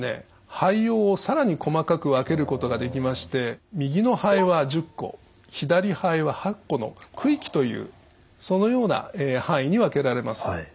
肺葉を更に細かく分けることができまして右の肺は１０個左肺は８個の区域というそのような範囲に分けられます。